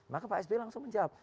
maka pak s b langsung menjawab